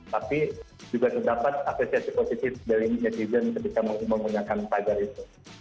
tapi juga terdapat apresiasi positif dari netizen ketika menggunakan pagar itu